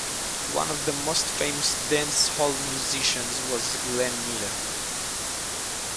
One of the most famous dance hall musicians was Glenn Miller.